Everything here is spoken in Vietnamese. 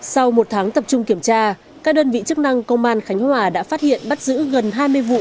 sau một tháng tập trung kiểm tra các đơn vị chức năng công an khánh hòa đã phát hiện bắt giữ gần hai mươi vụ